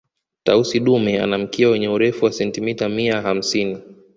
tausi dume ana mkia wenye urefu wa sentimita mia hamsini